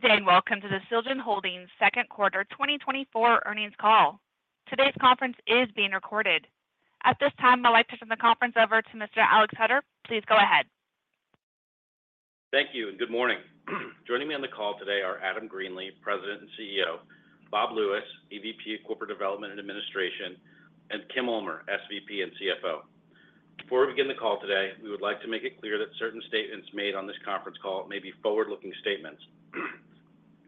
Good day, and welcome to the Silgan Holdings' Second Quarter 2024 Earnings Call. Today's conference is being recorded. At this time, I'd like to turn the conference over to Mr. Alex Hutter. Please go ahead. Thank you, and good morning. Joining me on the call today are Adam Greenlee, President and CEO, Bob Lewis, EVP, Corporate Development and Administration, and Kim Ulmer, SVP and CFO. Before we begin the call today, we would like to make it clear that certain statements made on this conference call may be forward-looking statements.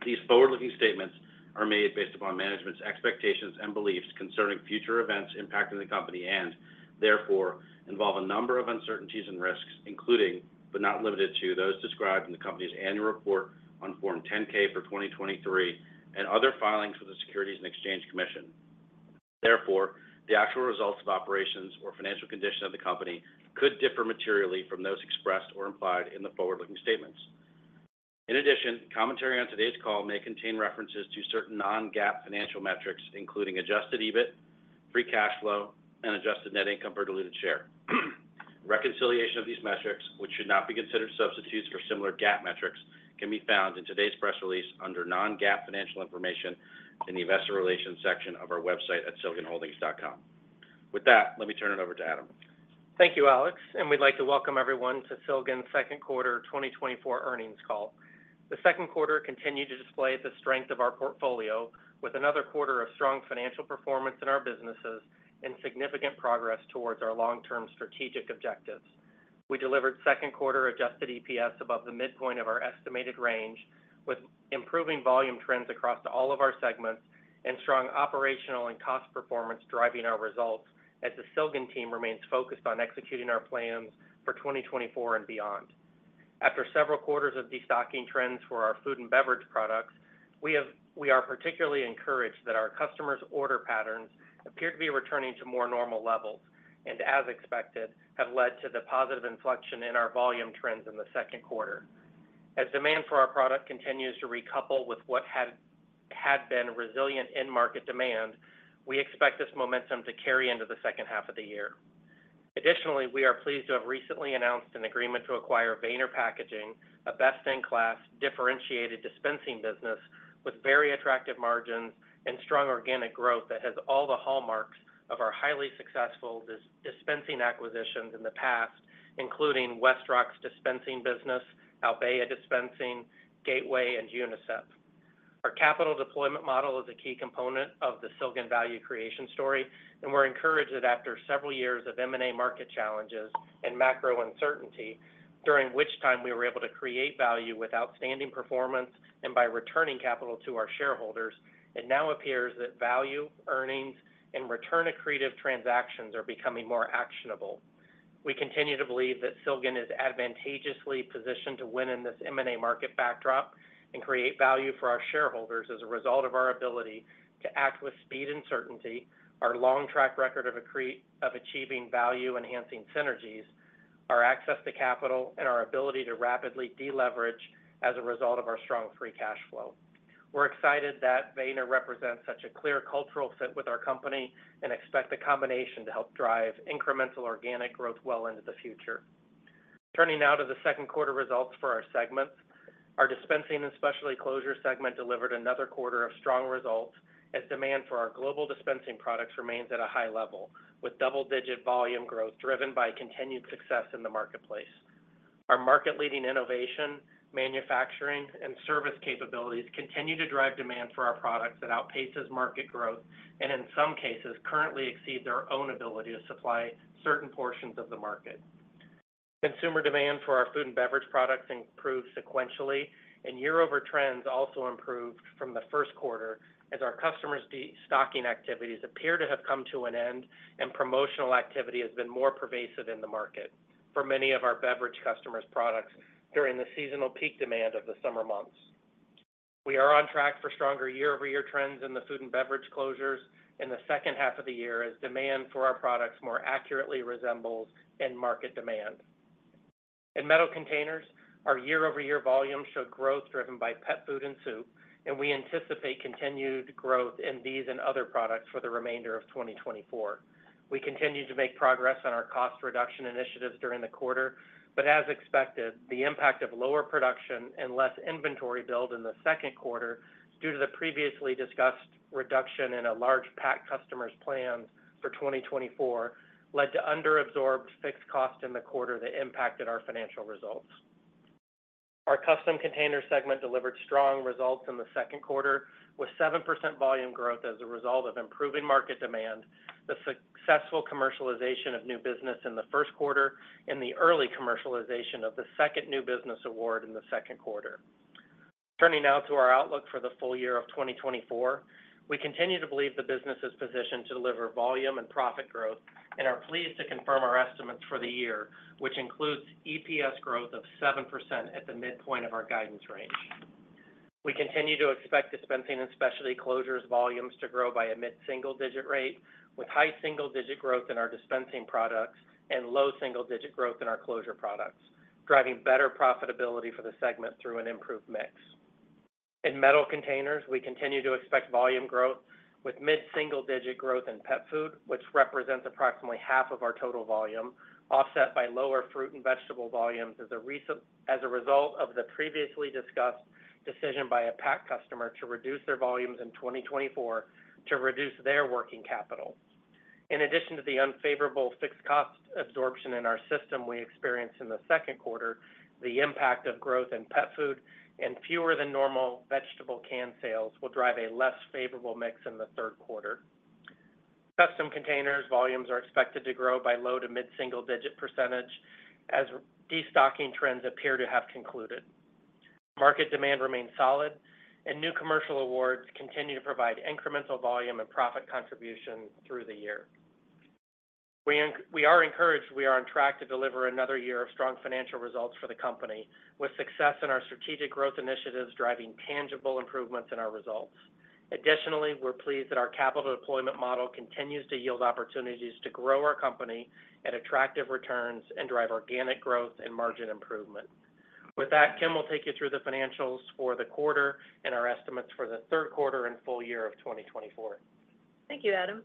These forward-looking statements are made based upon management's expectations and beliefs concerning future events impacting the company and, therefore, involve a number of uncertainties and risks, including, but not limited to, those described in the company's annual report on Form 10-K for 2023 and other filings for the Securities and Exchange Commission. Therefore, the actual results of operations or financial condition of the company could differ materially from those expressed or implied in the forward-looking statements. In addition, commentary on today's call may contain references to certain non-GAAP financial metrics, including adjusted EBIT, free cash flow, and adjusted net income per diluted share. Reconciliation of these metrics, which should not be considered substitutes for similar GAAP metrics, can be found in today's press release under non-GAAP financial information in the Investor Relations section of our website at silganholdings.com. With that, let me turn it over to Adam. Thank you, Alex. We'd like to welcome everyone to Silgan's Second Quarter 2024 Earnings Call. The second quarter continued to display the strength of our portfolio, with another quarter of strong financial performance in our businesses and significant progress towards our long-term strategic objectives. We delivered second quarter adjusted EPS above the midpoint of our estimated range, with improving volume trends across all of our segments and strong operational and cost performance driving our results as the Silgan team remains focused on executing our plans for 2024 and beyond. After several quarters of destocking trends for our food and beverage products, we are particularly encouraged that our customers' order patterns appear to be returning to more normal levels and, as expected, have led to the positive inflection in our volume trends in the second quarter. As demand for our product continues to recouple with what had been resilient in-market demand, we expect this momentum to carry into the second half of the year. Additionally, we are pleased to have recently announced an agreement to acquire Weener Packaging, a best-in-class Differentiated Dispensing business with very attractive margins and strong organic growth that has all the hallmarks of our highly successful Dispensing acquisitions in the past, including WestRock's Dispensing business, Albéa Dispensing, Gateway Plastics, and Unicep. Our capital deployment model is a key component of the Silgan value creation story, and we're encouraged that after several years of M&A market challenges and macro uncertainty, during which time we were able to create value with outstanding performance and by returning capital to our shareholders, it now appears that value, earnings, and return-accretive transactions are becoming more actionable. We continue to believe that Silgan is advantageously positioned to win in this M&A market backdrop and create value for our shareholders as a result of our ability to act with speed and certainty, our long track record of achieving value-enhancing synergies, our access to capital, and our ability to rapidly deleverage as a result of our strong free cash flow. We're excited that Weener represents such a clear cultural fit with our company and expect the combination to help drive incremental organic growth well into the future. Turning now to the second quarter results for our segments, our Dispensing and Specialty Closures segment delivered another quarter of strong results as demand for our global dispensing products remains at a high level, with double-digit volume growth driven by continued success in the marketplace. Our market-leading innovation, manufacturing, and service capabilities continue to drive demand for our products that outpaces market growth and, in some cases, currently exceeds our own ability to supply certain portions of the market. Consumer demand for our food and beverage products improved sequentially, and year-over-year trends also improved from the first quarter as our customers' destocking activities appear to have come to an end and promotional activity has been more pervasive in the market for many of our beverage customers' products during the seasonal peak demand of the summer months. We are on track for stronger year-over-year trends in the food and beverage closures in the second half of the year as demand for our products more accurately resembles market demand. In Metal Containers, our year-over-year volumes show growth driven by pet food and soup, and we anticipate continued growth in these and other products for the remainder of 2024. We continue to make progress on our cost reduction initiatives during the quarter, but as expected, the impact of lower production and less inventory build in the second quarter due to the previously discussed reduction in a large pack customer's plans for 2024 led to under-absorbed fixed cost in the quarter that impacted our financial results. Our custom container segment delivered strong results in the second quarter with 7% volume growth as a result of improving market demand, the successful commercialization of new business in the first quarter, and the early commercialization of the second new business award in the second quarter. Turning now to our outlook for the full year of 2024, we continue to believe the business is positioned to deliver volume and profit growth and are pleased to confirm our estimates for the year, which includes EPS growth of 7% at the midpoint of our guidance range. We continue to expect Dispensing and Specialty Closures volumes to grow by a mid-single-digit rate, with high single-digit growth in our Dispensing products and low single-digit growth in our closure products, driving better profitability for the segment through an improved mix. In Metal Containers, we continue to expect volume growth with mid-single-digit growth in pet food, which represents approximately half of our total volume, offset by lower fruit and vegetable volumes as a result of the previously discussed decision by a pack customer to reduce their volumes in 2024 to reduce their working capital. In addition to the unfavorable fixed cost absorption in our system we experienced in the second quarter, the impact of growth in pet food and fewer than normal vegetable can sales will drive a less favorable mix in the third quarter. Custom Containers volumes are expected to grow by low- to mid-single-digit % as destocking trends appear to have concluded. Market demand remains solid, and new commercial awards continue to provide incremental volume and profit contributions through the year. We are encouraged we are on track to deliver another year of strong financial results for the company, with success in our strategic growth initiatives driving tangible improvements in our results. Additionally, we're pleased that our capital deployment model continues to yield opportunities to grow our company at attractive returns and drive organic growth and margin improvement. With that, Kim, we'll take you through the financials for the quarter and our estimates for the third quarter and full year of 2024. Thank you, Adam.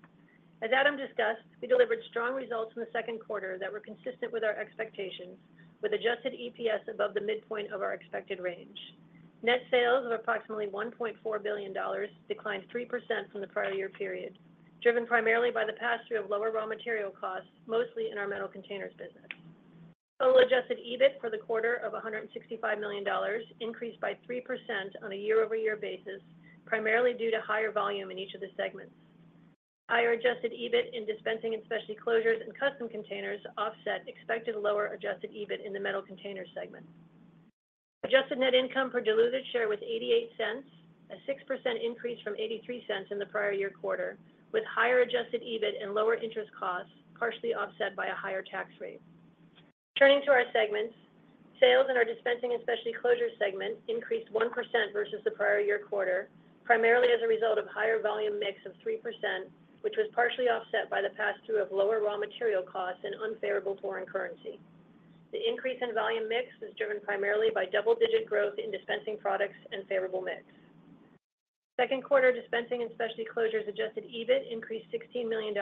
As Adam discussed, we delivered strong results in the second quarter that were consistent with our expectations, with adjusted EPS above the midpoint of our expected range. Net sales of approximately $1.4 billion declined 3% from the prior year period, driven primarily by the past year of lower raw material costs, mostly in our Metal Containers business. Total adjusted EBIT for the quarter of $165 million increased by 3% on a year-over-year basis, primarily due to higher volume in each of the segments. Higher adjusted EBIT in Dispensing and Specialty Closures and Custom Containers offset expected lower adjusted EBIT in the Metal Containers segment. Adjusted net income per diluted share was $0.88, a 6% increase from $0.83 in the prior year quarter, with higher adjusted EBIT and lower interest costs partially offset by a higher tax rate. Turning to our segments, sales in our Dispensing and Specialty Closures segment increased 1% versus the prior year quarter, primarily as a result of a higher volume mix of 3%, which was partially offset by the pass-through of lower raw material costs and unfavorable foreign currency. The increase in volume mix was driven primarily by double-digit growth in Dispensing products and favorable mix. Second quarter Dispensing and Specialty Closures Adjusted EBIT increased $16 million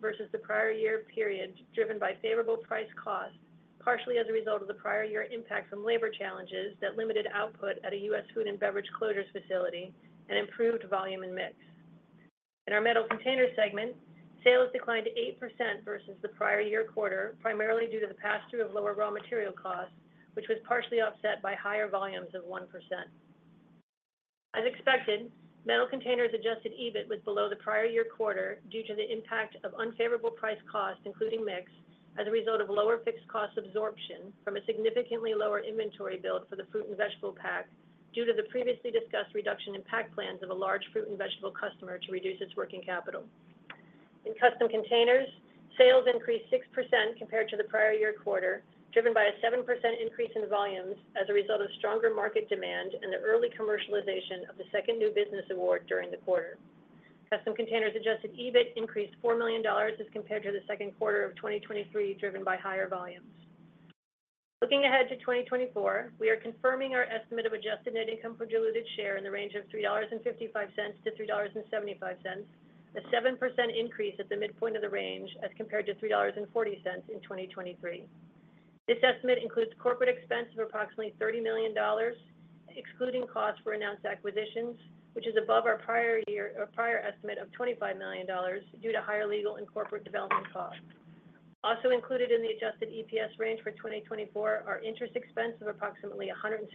versus the prior year period, driven by favorable price/cost, partially as a result of the prior year impact from labor challenges that limited output at a U.S. food and beverage closures facility and improved volume and mix. In our Metal Containers segment, sales declined 8% versus the prior year quarter, primarily due to the pass-through of lower raw material costs, which was partially offset by higher volumes of 1%. As expected, Metal Containers Adjusted EBIT was below the prior year quarter due to the impact of unfavorable price costs, including mix, as a result of lower fixed cost absorption from a significantly lower inventory build for the fruit and vegetable pack due to the previously discussed reduction in pack plans of a large fruit and vegetable customer to reduce its working capital. In Custom Containers, sales increased 6% compared to the prior year quarter, driven by a 7% increase in volumes as a result of stronger market demand and the early commercialization of the second new business award during the quarter. Custom Containers Adjusted EBIT increased $4 million as compared to the second quarter of 2023, driven by higher volumes. Looking ahead to 2024, we are confirming our estimate of adjusted net income per diluted share in the range of $3.55-$3.75, a 7% increase at the midpoint of the range as compared to $3.40 in 2023. This estimate includes corporate expense of approximately $30 million, excluding costs for announced acquisitions, which is above our prior year or prior estimate of $25 million due to higher legal and corporate development costs. Also included in the adjusted EPS range for 2024 are interest expense of approximately $165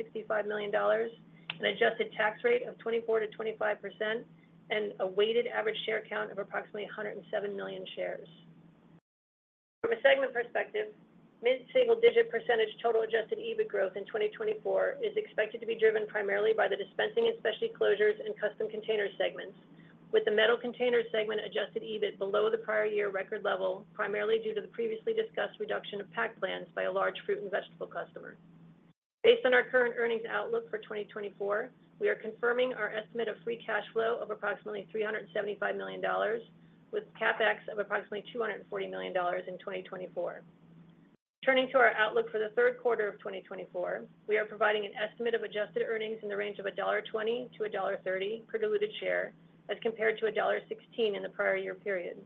million, an adjusted tax rate of 24%-25%, and a weighted average share count of approximately 107 million shares. From a segment perspective, mid-single-digit % total adjusted EBIT growth in 2024 is expected to be driven primarily by the Dispensing and Specialty Closures and Custom Containers segments, with the Metal Containers segment adjusted EBIT below the prior year record level, primarily due to the previously discussed reduction of pack plans by a large fruit and vegetable customer. Based on our current earnings outlook for 2024, we are confirming our estimate of free cash flow of approximately $375 million, with CapEx of approximately $240 million in 2024. Turning to our outlook for the third quarter of 2024, we are providing an estimate of adjusted earnings in the range of $1.20-$1.30 per diluted share as compared to $1.16 in the prior year period.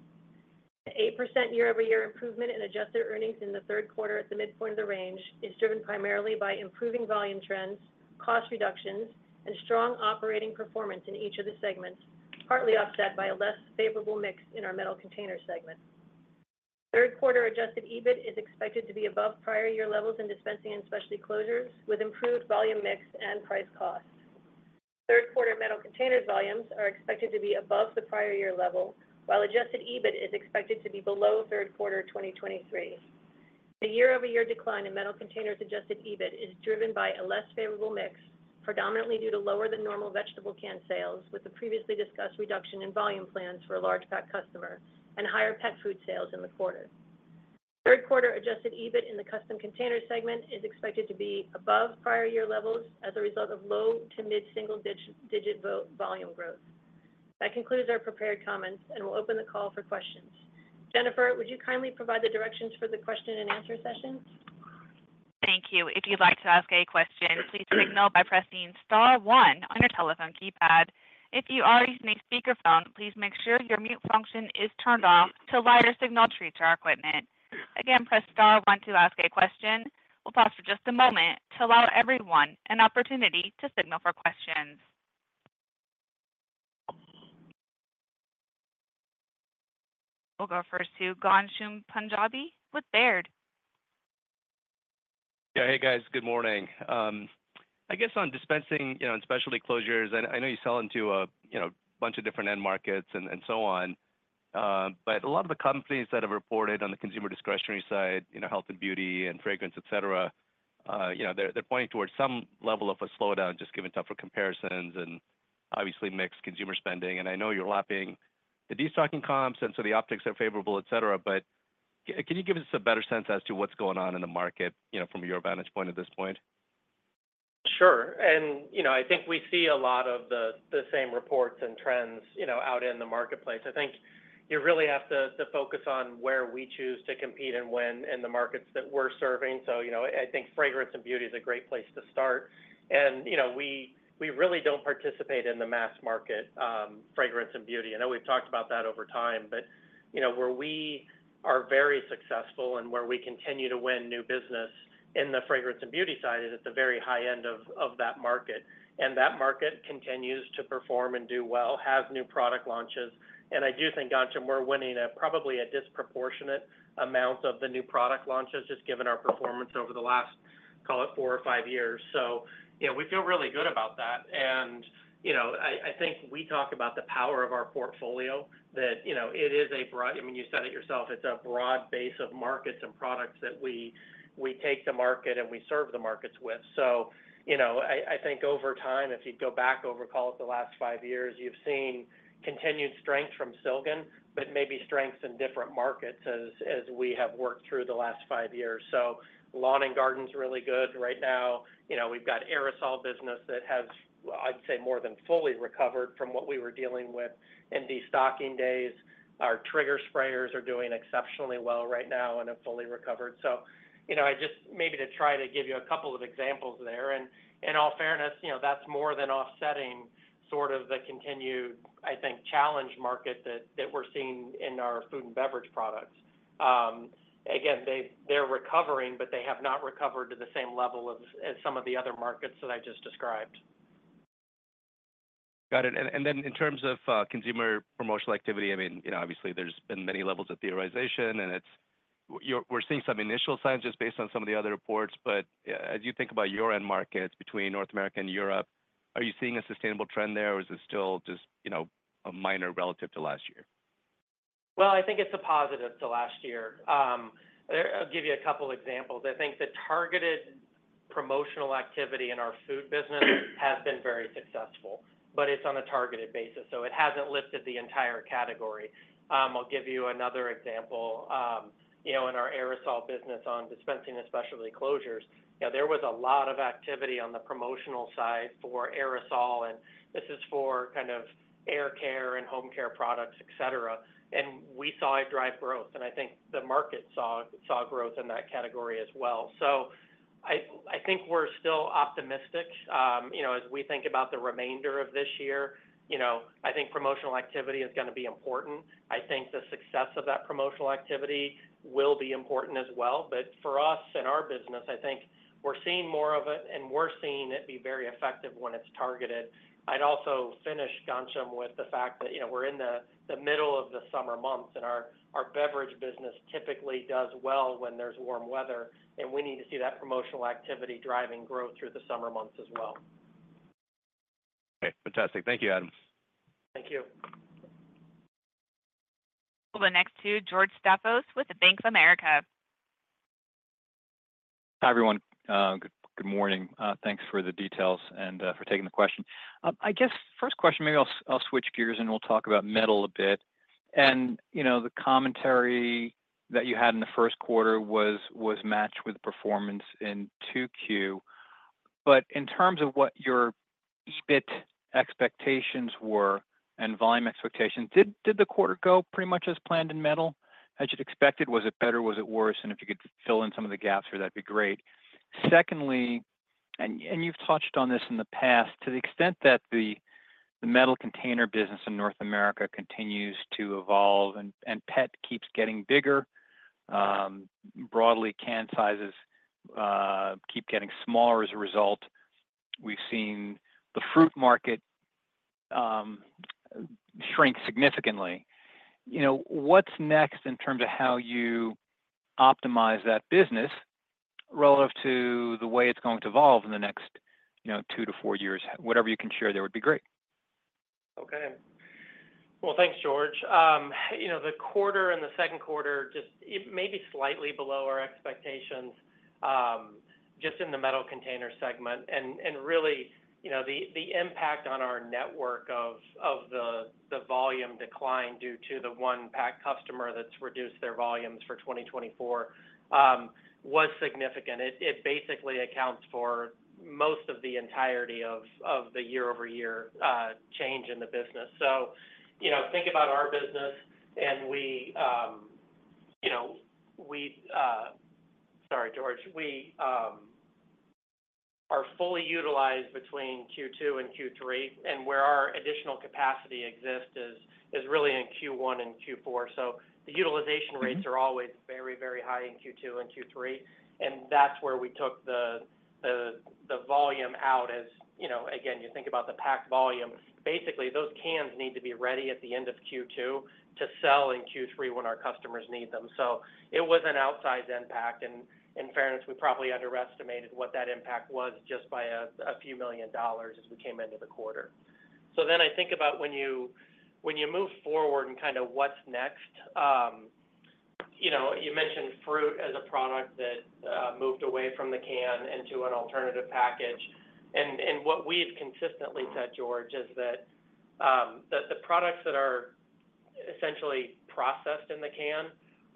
An 8% year-over-year improvement in adjusted earnings in the third quarter at the midpoint of the range is driven primarily by improving volume trends, cost reductions, and strong operating performance in each of the segments, partly offset by a less favorable mix in our Metal Containers segment. Third quarter adjusted EBIT is expected to be above prior year levels in Dispensing and Specialty Closures, with improved volume mix and price/cost. Third quarter Metal Containers volumes are expected to be above the prior year level, while adjusted EBIT is expected to be below third quarter 2023. The year-over-year decline in Metal Containers adjusted EBIT is driven by a less favorable mix, predominantly due to lower than normal vegetable can sales, with the previously discussed reduction in volume plans for a large pack customer and higher pet food sales in the quarter. Third quarter Adjusted EBIT in the Custom Containers segment is expected to be above prior year levels as a result of low to mid-single-digit volume growth. That concludes our prepared comments, and we'll open the call for questions. Jennifer, would you kindly provide the directions for the question and answer session? Thank you. If you'd like to ask a question, please signal by pressing star one on your telephone keypad. If you are using a speakerphone, please make sure your mute function is turned off to allow your signal to reach our equipment. Again, press star one to ask a question. We'll pause for just a moment to allow everyone an opportunity to signal for questions. We'll go first to Ghansham Panjabi with Baird. Yeah, hey guys, good morning. I guess on Dispensing and Specialty Closures, I know you sell into a bunch of different end markets and so on, but a lot of the companies that have reported on the consumer discretionary side, health and beauty and fragrance, et cetera, they're pointing towards some level of a slowdown just given tougher comparisons and obviously mixed consumer spending. And I know you're lapping the destocking comps, and so the optics are favorable, et cetera, but can you give us a better sense as to what's going on in the market from your vantage point at this point? Sure. I think we see a lot of the same reports and trends out in the marketplace. I think you really have to focus on where we choose to compete and win in the markets that we're serving. So I think fragrance and beauty is a great place to start. We really don't participate in the mass market, fragrance and beauty. I know we've talked about that over time, but where we are very successful and where we continue to win new business in the fragrance and beauty side is at the very high end of that market. That market continues to perform and do well, have new product launches. I do think, Ghansham, we're winning probably a disproportionate amount of the new product launches just given our performance over the last, call it, four or five years. So we feel really good about that. And I think we talk about the power of our portfolio, that it is a broad—I mean, you said it yourself—it's a broad base of markets and products that we take to market and we serve the markets with. So I think over time, if you go back over, call it the last five years, you've seen continued strength from Silgan, but maybe strengths in different markets as we have worked through the last five years. So Lawn and Garden is really good right now. We've got aerosol business that has, I'd say, more than fully recovered from what we were dealing with in destocking days. Our trigger sprayers are doing exceptionally well right now and have fully recovered. So I just maybe to try to give you a couple of examples there. In all fairness, that's more than offsetting sort of the continued, I think, challenging market that we're seeing in our food and beverage products. Again, they're recovering, but they have not recovered to the same level as some of the other markets that I just described. Got it. Then in terms of consumer promotional activity, I mean, obviously, there's been many levels of theorization, and we're seeing some initial signs just based on some of the other reports. As you think about your end markets between North America and Europe, are you seeing a sustainable trend there, or is it still just a minor relative to last year? Well, I think it's a positive to last year. I'll give you a couple of examples. I think the targeted promotional activity in our food business has been very successful, but it's on a targeted basis. So it hasn't lifted the entire category. I'll give you another example. In our Aerosol business on Dispensing and Specialty Closures, there was a lot of activity on the promotional side for Aerosol, and this is for kind of hair care and home care products, et cetera. And we saw it drive growth, and I think the market saw growth in that category as well. So I think we're still optimistic as we think about the remainder of this year. I think promotional activity is going to be important. I think the success of that promotional activity will be important as well. But for us and our business, I think we're seeing more of it, and we're seeing it be very effective when it's targeted. I'd also finish, Ghansham, with the fact that we're in the middle of the summer months, and our beverage business typically does well when there's warm weather, and we need to see that promotional activity driving growth through the summer months as well. Okay. Fantastic. Thank you, Adam. Thank you. Well, the next two, George Staphos with Bank of America. Hi, everyone. Good morning. Thanks for the details and for taking the question. I guess first question, maybe I'll switch gears and we'll talk about metal a bit. And the commentary that you had in the first quarter was matched with performance in 2Q. But in terms of what your EBIT expectations were and volume expectations, did the quarter go pretty much as planned in metal as you'd expected? Was it better? Was it worse? And if you could fill in some of the gaps here, that'd be great. Secondly, and you've touched on this in the past, to the extent that the metal container business in North America continues to evolve and pet keeps getting bigger, broadly can sizes keep getting smaller as a result, we've seen the fruit market shrink significantly. What's next in terms of how you optimize that business relative to the way it's going to evolve in the next 2-4 years? Whatever you can share, that would be great. Okay. Well, thanks, George. The quarter and the second quarter just maybe slightly below our expectations just in the metal container segment. And really, the impact on our network of the volume decline due to the one pack customer that's reduced their volumes for 2024 was significant. It basically accounts for most of the entirety of the year-over-year change in the business. So think about our business, and we, sorry, George, we are fully utilized between Q2 and Q3. And where our additional capacity exists is really in Q1 and Q4. So the utilization rates are always very, very high in Q2 and Q3. And that's where we took the volume out as, again, you think about the pack volume. Basically, those cans need to be ready at the end of Q2 to sell in Q3 when our customers need them. So it was an outsized impact. In fairness, we probably underestimated what that impact was just by a few million dollars as we came into the quarter. So then I think about when you move forward and kind of what's next. You mentioned fruit as a product that moved away from the can into an alternative package. And what we've consistently said, George, is that the products that are essentially processed in the can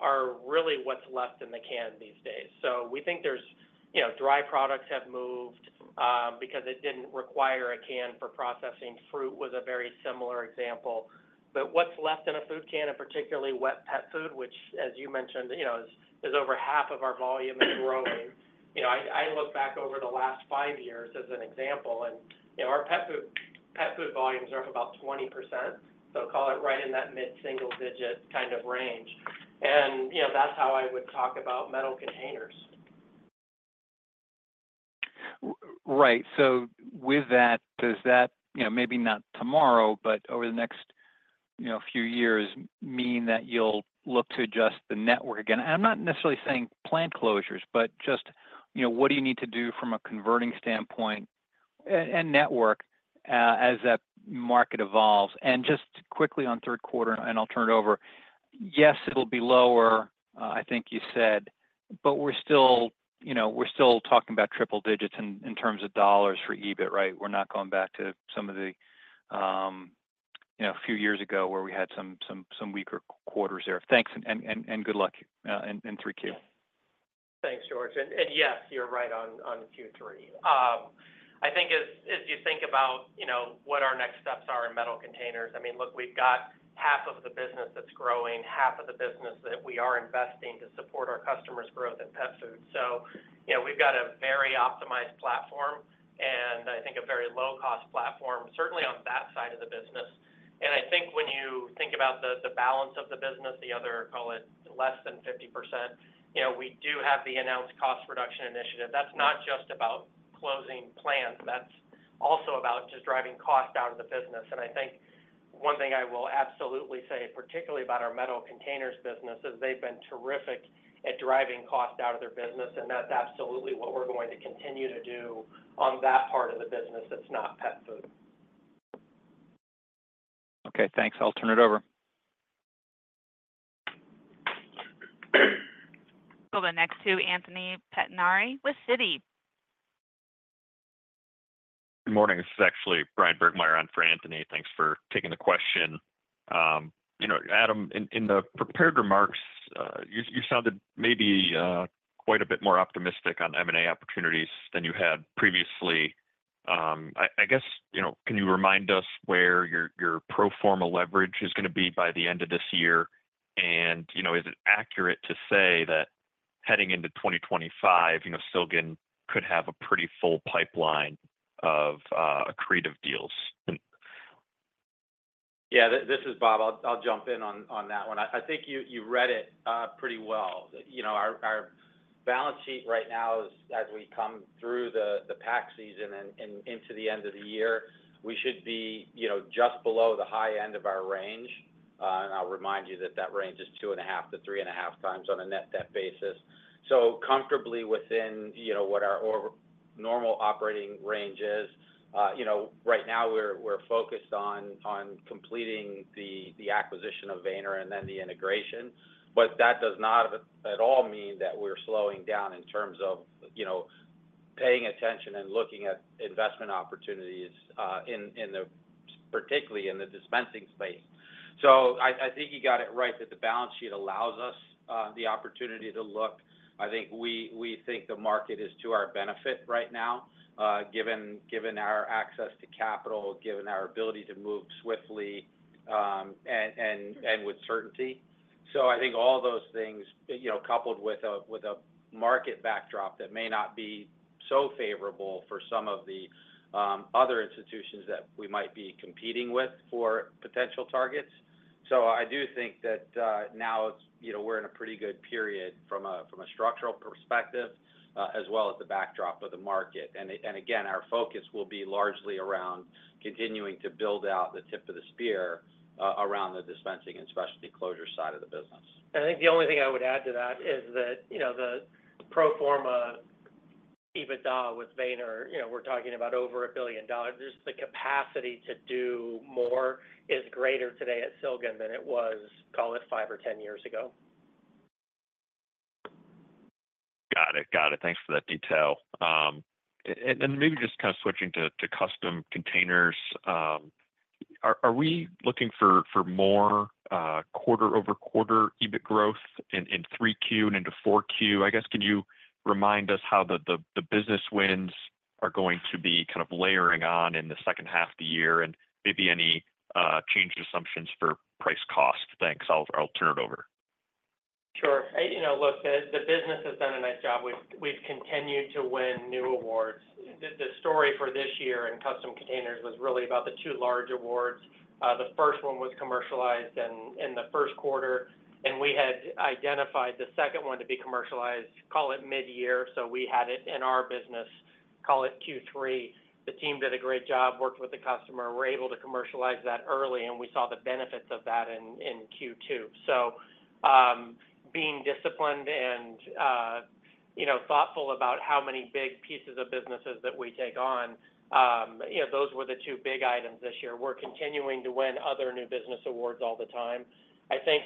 are really what's left in the can these days. So we think dry products have moved because it didn't require a can for processing. Fruit was a very similar example. But what's left in a food can, and particularly wet pet food, which, as you mentioned, is over half of our volume and growing, I look back over the last 5 years as an example, and our pet food volumes are up about 20%. So call it right in that mid-single-digit kind of range. And that's how I would talk about Metal Containers. Right. So with that, does that maybe not tomorrow, but over the next few years mean that you'll look to adjust the network again? And I'm not necessarily saying plant closures, but just what do you need to do from a converting standpoint and network as that market evolves? And just quickly on third quarter, and I'll turn it over. Yes, it'll be lower, I think you said, but we're still talking about triple digits in terms of dollars for EBIT, right? We're not going back to some of the few years ago where we had some weaker quarters there. Thanks and good luck in 3Q. Thanks, George. And yes, you're right on Q3. I think as you think about what our next steps are in Metal Containers, I mean, look, we've got half of the business that's growing, half of the business that we are investing to support our customers' growth in pet food. So we've got a very optimized platform and I think a very low-cost platform, certainly on that side of the business. And I think when you think about the balance of the business, the other, call it less than 50%, we do have the announced cost reduction initiative. That's not just about closing plants. That's also about just driving cost out of the business. I think one thing I will absolutely say, particularly about our Metal Containers business, is they've been terrific at driving cost out of their business, and that's absolutely what we're going to continue to do on that part of the business that's not pet food. Okay. Thanks. I'll turn it over. Well, the next two, Anthony Pettinari with Citi. Good morning. This is actually Bryan Burgmeier on for Anthony. Thanks for taking the question. Adam, in the prepared remarks, you sounded maybe quite a bit more optimistic on M&A opportunities than you had previously. I guess, can you remind us where your pro forma leverage is going to be by the end of this year? And is it accurate to say that heading into 2025, Silgan could have a pretty full pipeline of accretive deals? Yeah. This is Bob. I'll jump in on that one. I think you read it pretty well. Our balance sheet right now, as we come through the pack season and into the end of the year, we should be just below the high end of our range. And I'll remind you that that range is 2.5x-3.5x on a net debt basis. So comfortably within what our normal operating range is. Right now, we're focused on completing the acquisition of Weener and then the integration. But that does not at all mean that we're slowing down in terms of paying attention and looking at investment opportunities, particularly in the dispensing space. So I think you got it right that the balance sheet allows us the opportunity to look. I think we think the market is to our benefit right now, given our access to capital, given our ability to move swiftly and with certainty. So I think all those things, coupled with a market backdrop that may not be so favorable for some of the other institutions that we might be competing with for potential targets. So I do think that now we're in a pretty good period from a structural perspective as well as the backdrop of the market. And again, our focus will be largely around continuing to build out the tip of the spear around the Dispensing and Specialty Closure side of the business. And I think the only thing I would add to that is that the pro forma EBITDA with Weener, we're talking about over $1 billion. The capacity to do more is greater today at Silgan than it was, call it, 5 or 10 years ago. Got it. Got it. Thanks for that detail. And then maybe just kind of switching to Custom Containers, are we looking for more quarter-over-quarter EBIT growth in 3Q and into 4Q? I guess, can you remind us how the business wins are going to be kind of layering on in the second half of the year and maybe any change assumptions for price cost? Thanks. I'll turn it over. Sure. Look, the business has done a nice job. We've continued to win new awards. The story for this year in Custom Containers was really about the 2 large awards. The first one was commercialized in the first quarter, and we had identified the second one to be commercialized, call it mid-year. So we had it in our business, call it Q3. The team did a great job, worked with the customer, were able to commercialize that early, and we saw the benefits of that in Q2. So being disciplined and thoughtful about how many big pieces of businesses that we take on, those were the 2 big items this year. We're continuing to win other new business awards all the time. I think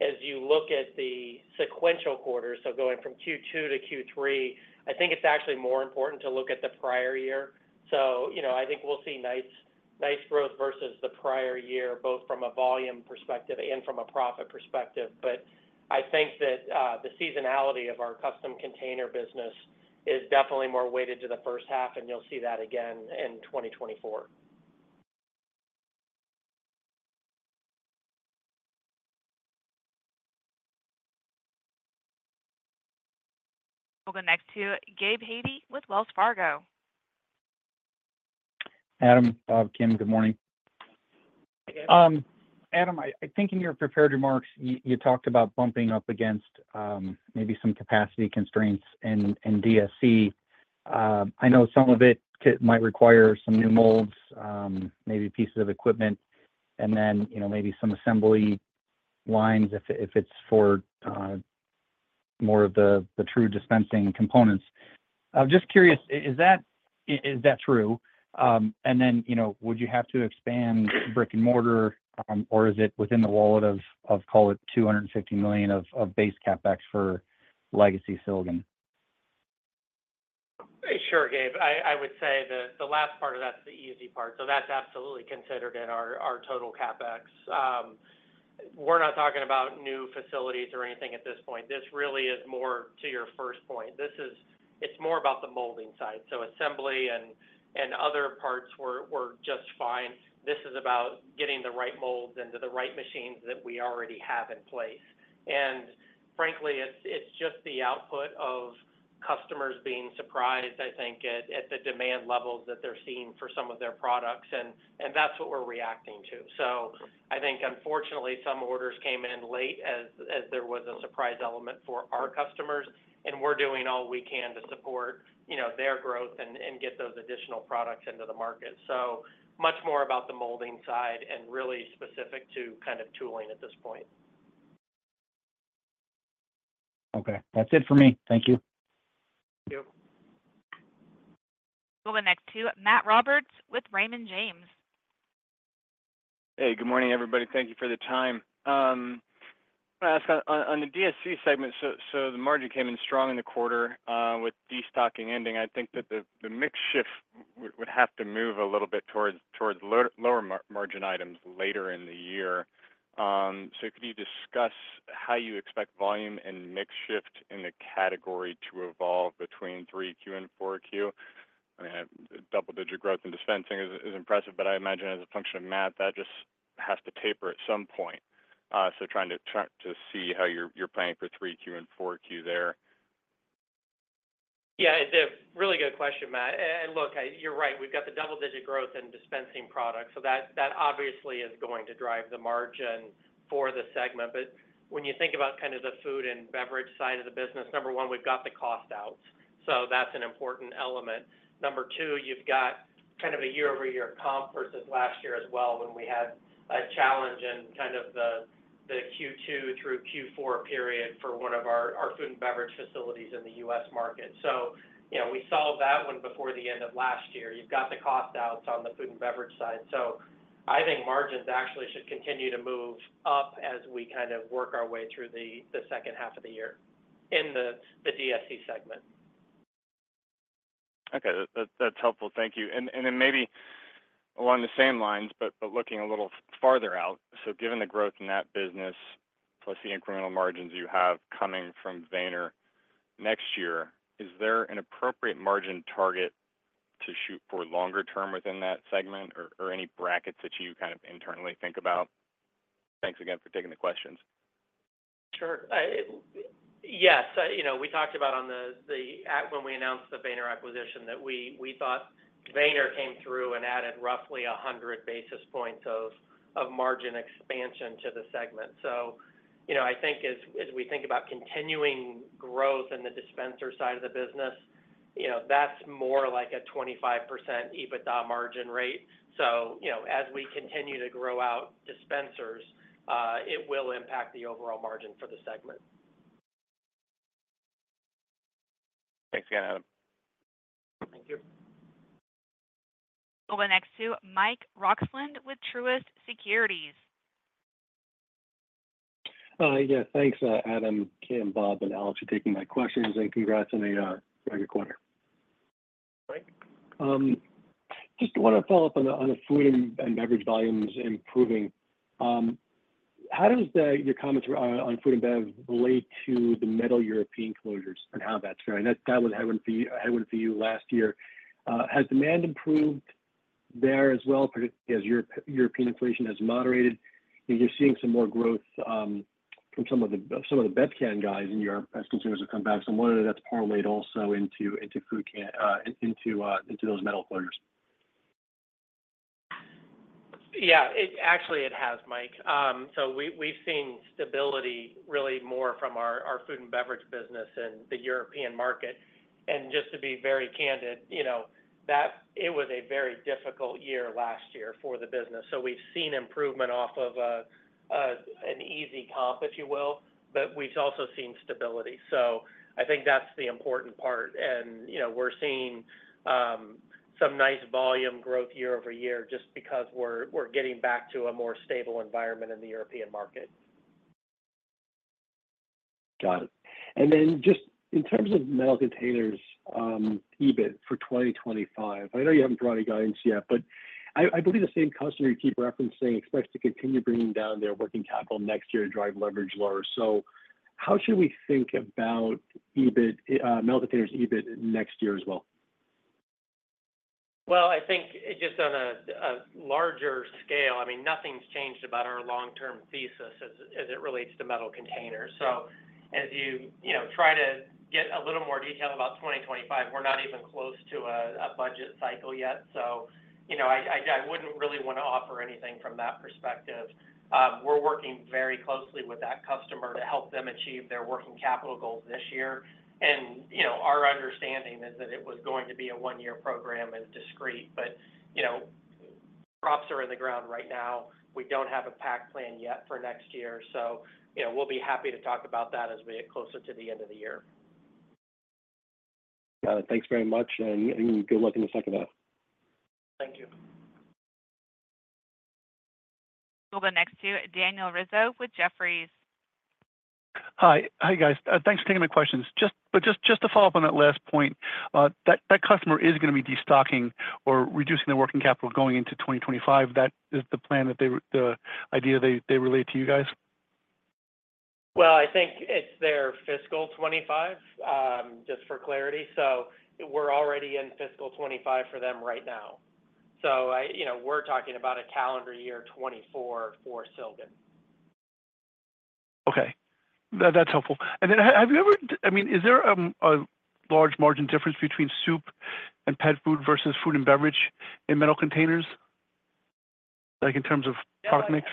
as you look at the sequential quarters, so going from Q2 to Q3, I think it's actually more important to look at the prior year. So I think we'll see nice growth versus the prior year, both from a volume perspective and from a profit perspective. But I think that the seasonality of our custom container business is definitely more weighted to the first half, and you'll see that again in 2024. Well, the next two, Gabe Hajde with Wells Fargo. Adam, Bob, Kim, good morning. Adam, I think in your prepared remarks, you talked about bumping up against maybe some capacity constraints in DSC. I know some of it might require some new molds, maybe pieces of equipment, and then maybe some assembly lines if it's for more of the true dispensing components. I'm just curious, is that true? And then would you have to expand brick and mortar, or is it within the wallet of, call it, $250 million of base CapEx for legacy Silgan? Sure, Gabe. I would say the last part of that's the easy part. So that's absolutely considered in our total CapEx. We're not talking about new facilities or anything at this point. This really is more to your first point. It's more about the molding side. So assembly and other parts were just fine. This is about getting the right molds into the right machines that we already have in place. And frankly, it's just the output of customers being surprised, I think, at the demand levels that they're seeing for some of their products. And that's what we're reacting to. So I think, unfortunately, some orders came in late as there was a surprise element for our customers, and we're doing all we can to support their growth and get those additional products into the market. So much more about the molding side and really specific to kind of tooling at this point. Okay. That's it for me. Thank you. Thank you. Well, the next two, Matt Roberts with Raymond James. Hey, good morning, everybody. Thank you for the time. I'm going to ask on the DSC segment. So the margin came in strong in the quarter with destocking ending. I think that the mix shift would have to move a little bit towards lower margin items later in the year. So could you discuss how you expect volume and mix shift in the category to evolve between 3Q and 4Q? I mean, double-digit growth in Dispensing is impressive, but I imagine as a function of math, that just has to taper at some point. So trying to see how you're planning for 3Q and 4Q there. Yeah. It's a really good question, Matt. And look, you're right. We've got the double-digit growth in Dispensing products. So that obviously is going to drive the margin for the segment. But when you think about kind of the food and beverage side of the business, number one, we've got the cost out. So that's an important element. Number two, you've got kind of a year-over-year comp versus last year as well when we had a challenge in kind of the Q2 through Q4 period for one of our food and beverage facilities in the U.S. market. So we solved that one before the end of last year. You've got the cost outs on the food and beverage side. So I think margins actually should continue to move up as we kind of work our way through the second half of the year in the DSC segment. Okay. That's helpful. Thank you. And then maybe along the same lines, but looking a little farther out. So given the growth in that business, plus the incremental margins you have coming from Weener next year, is there an appropriate margin target to shoot for longer term within that segment or any brackets that you kind of internally think about? Thanks again for taking the questions. Sure. Yes. We talked about on the when we announced the Weener acquisition that we thought Weener came through and added roughly 100 basis points of margin expansion to the segment. So I think as we think about continuing growth in the dispenser side of the business, that's more like a 25% EBITDA margin rate. So as we continue to grow out dispensers, it will impact the overall margin for the segment. Thanks again, Adam. Thank you. Well, the next two, Mike Roxland with Truist Securities. Yeah. Thanks, Adam, Kim, Bob, and Alex for taking my questions and congrats on a regular quarter. Right. Just want to follow up on the food and beverage volumes improving. How does your comments on food and beverage relate to the metal European closures and how that's going? That was heaven for you last year. Has demand improved there as well, particularly as European inflation has moderated? You're seeing some more growth from some of the BevCAN guys in Europe as consumers have come back. So I'm wondering if that's parlayed also into those metal closures. Yeah. Actually, it has, Mike. So we've seen stability really more from our food and beverage business in the European market. And just to be very candid, it was a very difficult year last year for the business. So we've seen improvement off of an easy comp, if you will, but we've also seen stability. So I think that's the important part. And we're seeing some nice volume growth year-over-year just because we're getting back to a more stable environment in the European market. Got it. And then just in terms of Metal Containers EBIT for 2025, I know you haven't brought any guidance yet, but I believe the same customer you keep referencing expects to continue bringing down their working capital next year to drive leverage lower. So how should we think about Metal Containers EBIT next year as well? Well, I think just on a larger scale, I mean, nothing's changed about our long-term thesis as it relates to Metal Containers. As you try to get a little more detail about 2025, we're not even close to a budget cycle yet. I wouldn't really want to offer anything from that perspective. We're working very closely with that customer to help them achieve their working capital goals this year. And our understanding is that it was going to be a one-year program and discrete, but crops are in the ground right now. We don't have a pack plan yet for next year. We'll be happy to talk about that as we get closer to the end of the year. Got it. Thanks very much. And good luck in the second half. Thank you. Well, the next two, Daniel Rizzo with Jefferies. Hi, guys. Thanks for taking my questions. Just to follow up on that last point, that customer is going to be destocking or reducing their working capital going into 2025. That is the plan, the idea they relate to you guys? Well, I think it's their fiscal 2025, just for clarity. So we're already in fiscal 2025 for them right now. So we're talking about a calendar year 2024 for Silgan. Okay. That's helpful. And then have you ever, I mean, is there a large margin difference between soup and pet food versus food and beverage in Metal Containers, like in terms of product mix?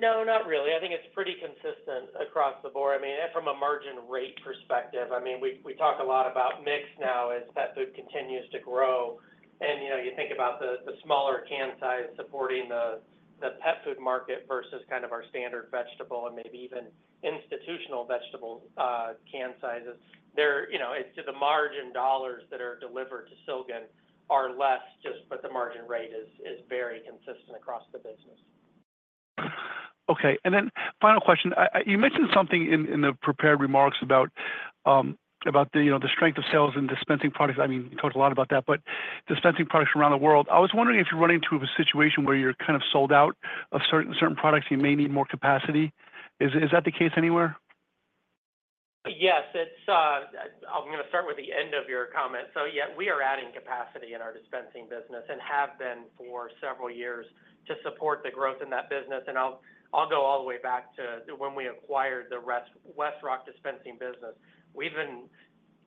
No, not really. I think it's pretty consistent across the board. I mean, from a margin rate perspective, I mean, we talk a lot about mix now as pet food continues to grow. And you think about the smaller can size supporting the pet food market versus kind of our standard vegetable and maybe even institutional vegetable can sizes. It's the margin dollars that are delivered to Silgan are less, but the margin rate is very consistent across the business. Okay. And then final question. You mentioned something in the prepared remarks about the strength of sales in Dispensing products. I mean, you talked a lot about that, but Dispensing products around the world. I was wondering if you're running into a situation where you're kind of sold out of certain products and you may need more capacity. Is that the case anywhere? Yes. I'm going to start with the end of your comment. So yeah, we are adding capacity in our Dispensing business and have been for several years to support the growth in that business. I'll go all the way back to when we acquired the WestRock Dispensing business. We've been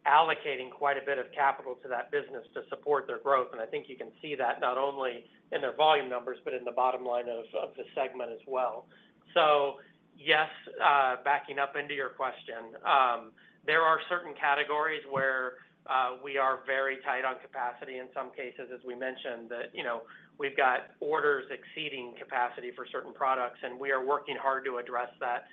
allocating quite a bit of capital to that business to support their growth. I think you can see that not only in their volume numbers, but in the bottom line of the segment as well. So yes, backing up into your question, there are certain categories where we are very tight on capacity in some cases, as we mentioned, that we've got orders exceeding capacity for certain products, and we are working hard to address that.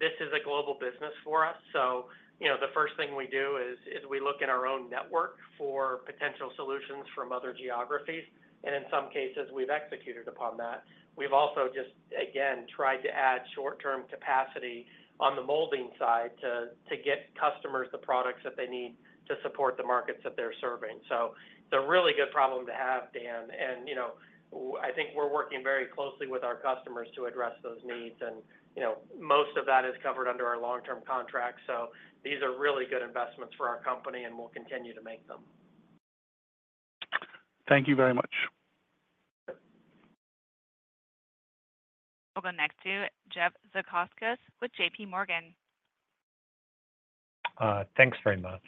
This is a global business for us. So the first thing we do is we look in our own network for potential solutions from other geographies. And in some cases, we've executed upon that. We've also just, again, tried to add short-term capacity on the molding side to get customers the products that they need to support the markets that they're serving. So it's a really good problem to have, Dan. And I think we're working very closely with our customers to address those needs. And most of that is covered under our long-term contracts. So these are really good investments for our company, and we'll continue to make them. Thank you very much. Well, the next two, Jeff Zekauskas with JPMorgan. Thanks very much.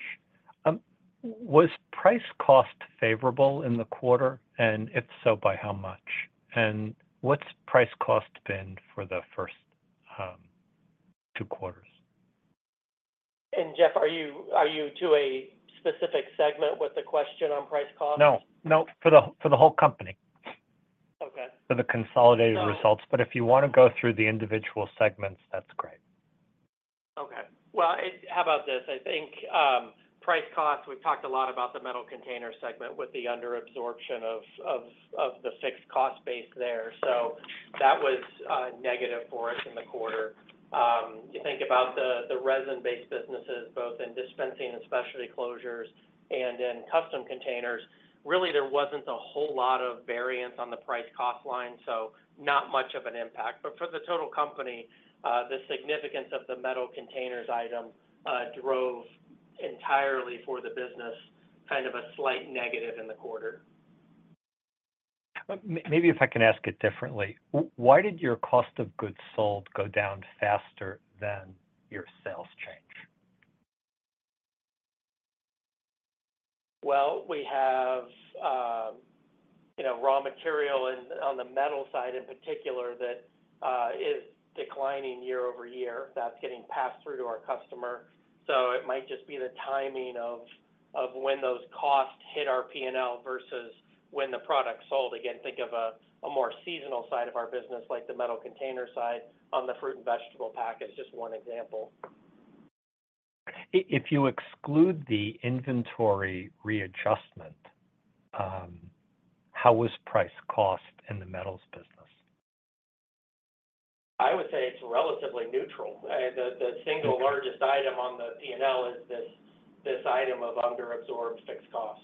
Was price cost favorable in the quarter? And if so, by how much? And what's price cost been for the first two quarters? Jeff, are you to a specific segment with the question on price cost? No. No. For the whole company. Okay. For the consolidated results. If you want to go through the individual segments, that's great. Okay. Well, how about this? I think price cost, we've talked a lot about the metal container segment with the underabsorption of the fixed cost base there. So that was negative for us in the quarter. You think about the resin-based businesses, both in Dispensing and Specialty Closures and in Custom Containers, really there wasn't a whole lot of variance on the price cost line, so not much of an impact. But for the total company, the significance of the Metal Containers item drove entirely for the business kind of a slight negative in the quarter. Maybe if I can ask it differently, why did your cost of goods sold go down faster than your sales change? Well, we have raw material on the metal side in particular that is declining year-over-year. That's getting passed through to our customer. So it might just be the timing of when those costs hit our P&L versus when the product sold. Again, think of a more seasonal side of our business, like the metal container side on the fruit and vegetable pack is just one example. If you exclude the inventory readjustment, how was price cost in the metals business? I would say it's relatively neutral. The single largest item on the P&L is this item of underabsorbed fixed cost.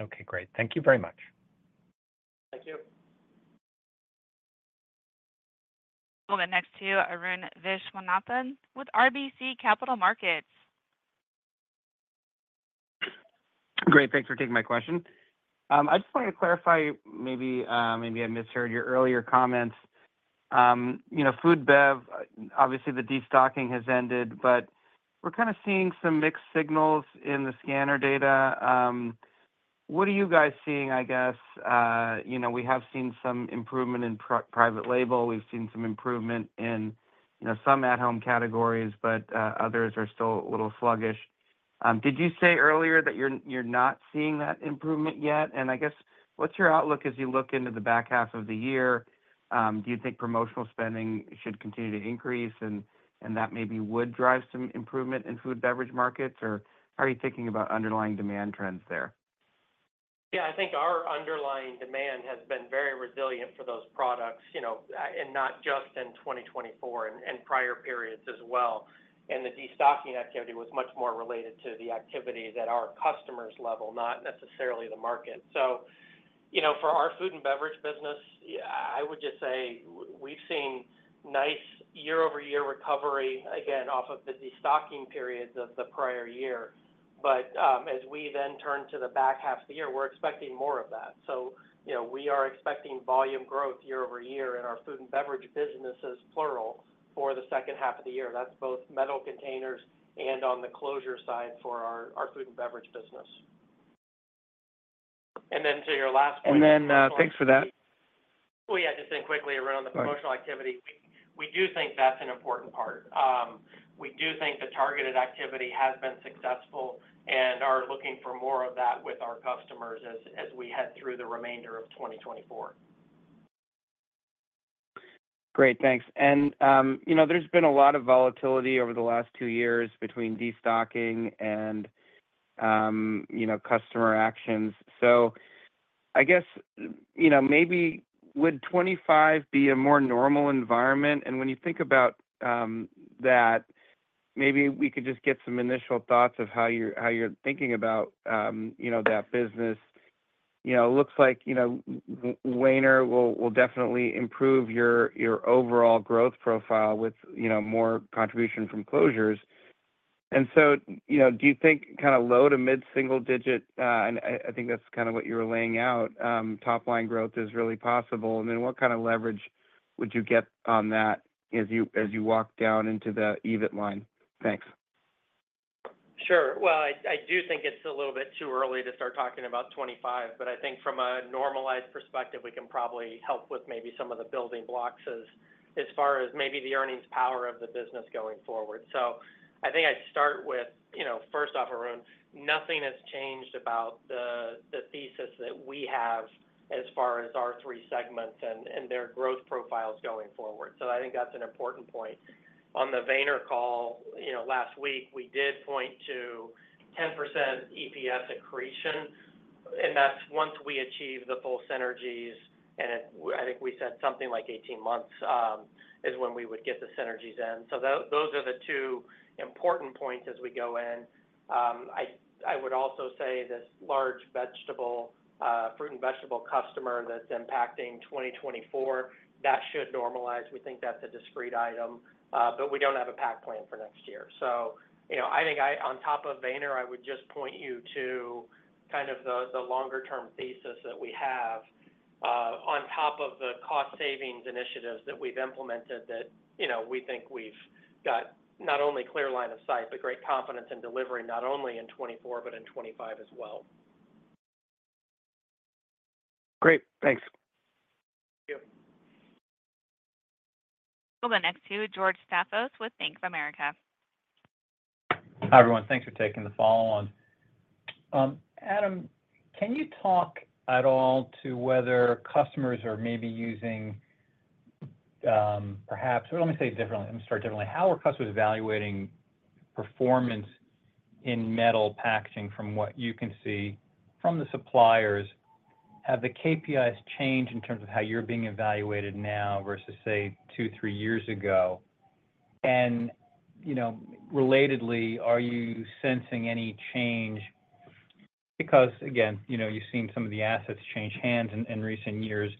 Okay. Great. Thank you very much. Thank you. Well, the next to, Arun Viswanathan with RBC Capital Markets. Great. Thanks for taking my question. I just wanted to clarify maybe I misheard your earlier comments. Food and bev, obviously the destocking has ended, but we're kind of seeing some mixed signals in the scanner data. What are you guys seeing, I guess? We have seen some improvement in private label. We've seen some improvement in some at-home categories, but others are still a little sluggish. Did you say earlier that you're not seeing that improvement yet? And I guess what's your outlook as you look into the back half of the year? Do you think promotional spending should continue to increase and that maybe would drive some improvement in food and beverage markets? Or how are you thinking about underlying demand trends there? Yeah. I think our underlying demand has been very resilient for those products and not just in 2024 and prior periods as well. The destocking activity was much more related to the activities at our customer's level, not necessarily the market. So for our food and beverage business, I would just say we've seen nice year-over-year recovery, again, off of the destocking periods of the prior year. But as we then turn to the back half of the year, we're expecting more of that. So we are expecting volume growth year-over-year in our food and beverage businesses, plural, for the second half of the year. That's both Metal Containers and on the closure side for our food and beverage business. Then to your last point. Thanks for that. Oh, yeah. Just think quickly around the promotional activity. We do think that's an important part. We do think the targeted activity has been successful and are looking for more of that with our customers as we head through the remainder of 2024. Great. Thanks. And there's been a lot of volatility over the last 2 years between destocking and customer actions. So I guess maybe would 2025 be a more normal environment? And when you think about that, maybe we could just get some initial thoughts of how you're thinking about that business. It looks like Weener will definitely improve your overall growth profile with more contribution from closures. And so do you think kind of low- to mid-single-digit? And I think that's kind of what you were laying out. Top-line growth is really possible. And then what kind of leverage would you get on that as you walk down into the EBIT line? Thanks. Sure. Well, I do think it's a little bit too early to start talking about 2025, but I think from a normalized perspective, we can probably help with maybe some of the building blocks as far as maybe the earnings power of the business going forward. So I think I'd start with, first off, Arun, nothing has changed about the thesis that we have as far as our three segments and their growth profiles going forward. So I think that's an important point. On the Weener call last week, we did point to 10% EPS accretion. And that's once we achieve the full synergies, and I think we said something like 18 months is when we would get the synergies in. So those are the two important points as we go in. I would also say this large fruit and vegetable customer that's impacting 2024, that should normalize. We think that's a discrete item, but we don't have a CapEx plan for next year. So I think on top of Weener, I would just point you to kind of the longer-term thesis that we have on top of the cost savings initiatives that we've implemented that we think we've got not only clear line of sight, but great confidence in delivering not only in 2024, but in 2025 as well. Great. Thanks. Thank you. Well, the next two, George Staphos with Bank of America. Hi, everyone. Thanks for taking the phone on. Adam, can you talk at all to whether customers are maybe using perhaps—let me say it differently. Let me start differently. How are customers evaluating performance in metal packaging from what you can see from the suppliers? Have the KPIs changed in terms of how you're being evaluated now versus, say, 2, 3 years ago? And relatedly, are you sensing any change? Because, again, you've seen some of the assets change hands in recent years.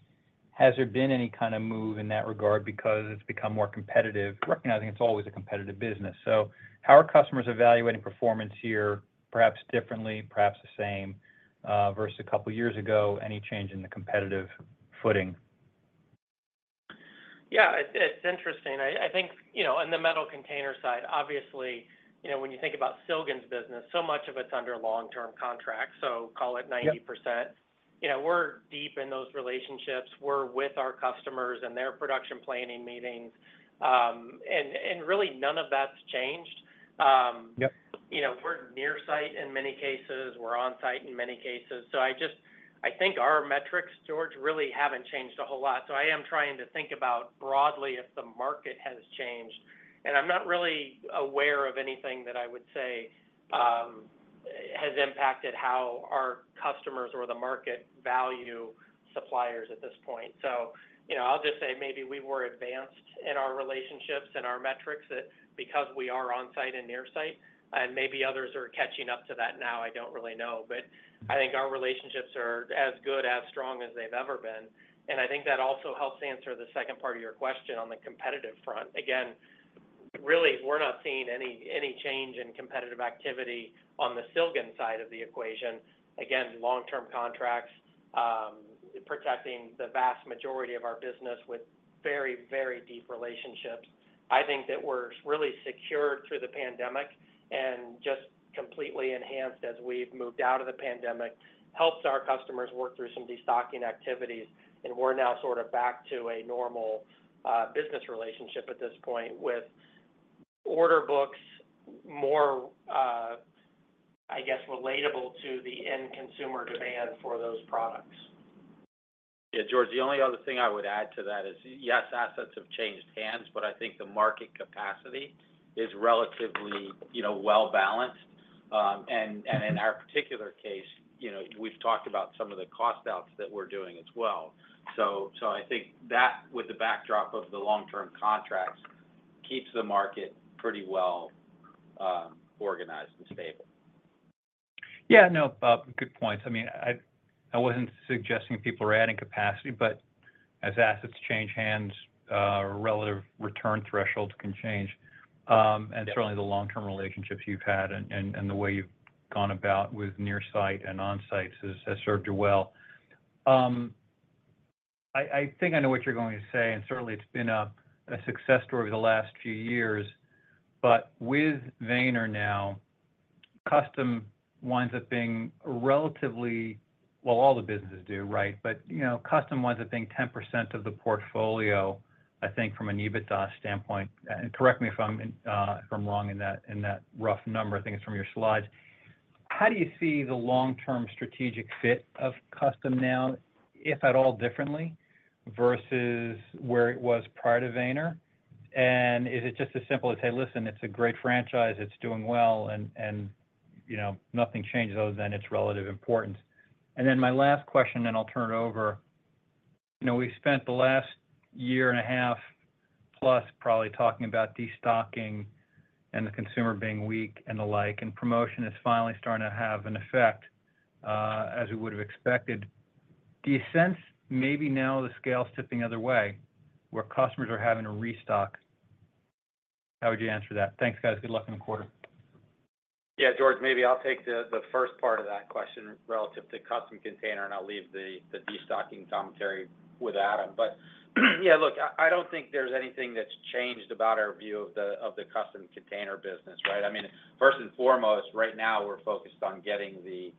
Has there been any kind of move in that regard because it's become more competitive, recognizing it's always a competitive business? So how are customers evaluating performance here, perhaps differently, perhaps the same versus a couple of years ago? Any change in the competitive footing? Yeah. It's interesting. I think on the metal container side, obviously, when you think about Silgan's business, so much of it's under long-term contracts. So call it 90%. We're deep in those relationships. We're with our customers and their production planning meetings. And really, none of that's changed. We're near-site in many cases. We're on-site in many cases. So I think our metrics, George, really haven't changed a whole lot. So I am trying to think about broadly if the market has changed. And I'm not really aware of anything that I would say has impacted how our customers or the market value suppliers at this point. So I'll just say maybe we were advanced in our relationships and our metrics because we are on-site and near-site. And maybe others are catching up to that now. I don't really know. But I think our relationships are as good, as strong as they've ever been. I think that also helps answer the second part of your question on the competitive front. Again, really, we're not seeing any change in competitive activity on the Silgan side of the equation. Again, long-term contracts, protecting the vast majority of our business with very, very deep relationships. I think that we're really secured through the pandemic and just completely enhanced as we've moved out of the pandemic, helped our customers work through some destocking activities. We're now sort of back to a normal business relationship at this point with order books more, I guess, relatable to the end consumer demand for those products. Yeah. George, the only other thing I would add to that is, yes, assets have changed hands, but I think the market capacity is relatively well-balanced. And in our particular case, we've talked about some of the cost outs that we're doing as well. So I think that with the backdrop of the long-term contracts keeps the market pretty well organized and stable. Yeah. No, good point. I mean, I wasn't suggesting people are adding capacity, but as assets change hands, relative return thresholds can change. And certainly, the long-term relationships you've had and the way you've gone about with near-site and on-site has served you well. I think I know what you're going to say. And certainly, it's been a success story over the last few years. But with Weener now, custom winds up being relatively—well, all the businesses do, right? But custom winds up being 10% of the portfolio, I think, from an EBITDA standpoint. And correct me if I'm wrong in that rough number. I think it's from your slides. How do you see the long-term strategic fit of custom now, if at all differently, versus where it was prior to Weener? And is it just as simple as, "Hey, listen, it's a great franchise. It's doing well." And nothing changes other than its relative importance. And then my last question, and I'll turn it over. We've spent the last 1.5 years probably talking about destocking and the consumer being weak and the like. And promotion is finally starting to have an effect as we would have expected. Do you sense maybe now the scale's tipping the other way where customers are having to restock? How would you answer that? Thanks, guys. Good luck in the quarter. Yeah. George, maybe I'll take the first part of that question relative to custom container, and I'll leave the destocking commentary with Adam. But yeah, look, I don't think there's anything that's changed about our view of the custom container business, right? I mean, first and foremost, right now, we're focused on getting the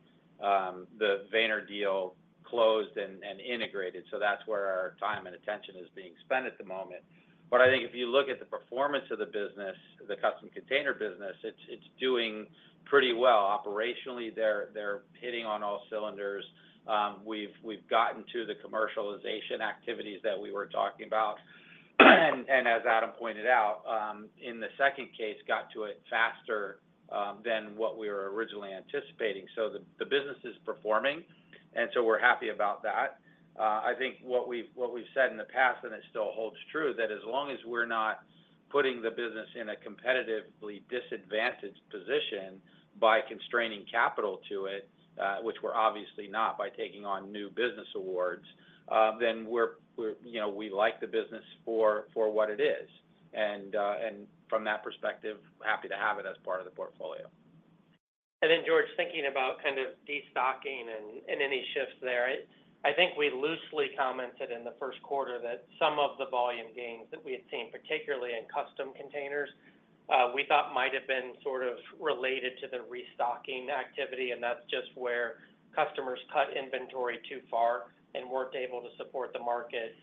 Weener deal closed and integrated. So that's where our time and attention is being spent at the moment. But I think if you look at the performance of the business, the custom container business, it's doing pretty well. Operationally, they're hitting on all cylinders. We've gotten to the commercialization activities that we were talking about. And as Adam pointed out, in the second case, got to it faster than what we were originally anticipating. So the business is performing. And so we're happy about that. I think what we've said in the past, and it still holds true, that as long as we're not putting the business in a competitively disadvantaged position by constraining capital to it, which we're obviously not by taking on new business awards, then we like the business for what it is. And from that perspective, happy to have it as part of the portfolio. And then, George, thinking about kind of destocking and any shifts there, I think we loosely commented in the first quarter that some of the volume gains that we had seen, particularly in Custom Containers, we thought might have been sort of related to the restocking activity. And that's just where customers cut inventory too far and weren't able to support the market.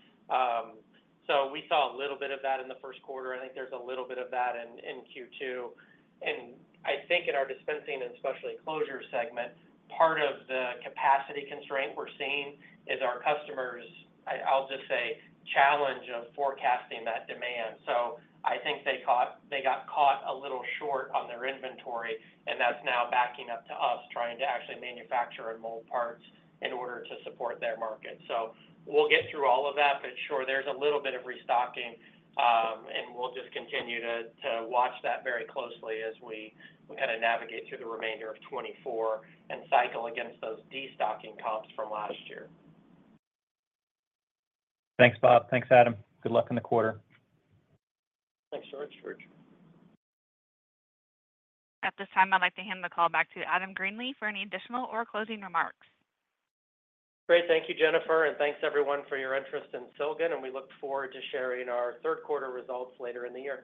So we saw a little bit of that in the first quarter. I think there's a little bit of that in Q2. And I think in our Dispensing and Specialty Closures segment, part of the capacity constraint we're seeing is our customers, I'll just say, challenge of forecasting that demand. So I think they got caught a little short on their inventory, and that's now backing up to us trying to actually manufacture and mold parts in order to support their market. We'll get through all of that. But sure, there's a little bit of restocking, and we'll just continue to watch that very closely as we kind of navigate through the remainder of 2024 and cycle against those destocking comps from last year. Thanks, Bob. Thanks, Adam. Good luck in the quarter. Thanks, George. George. At this time, I'd like to hand the call back to Adam Greenlee for any additional or closing remarks. Great. Thank you, Jennifer. And thanks, everyone, for your interest in Silgan. And we look forward to sharing our third quarter results later in the year.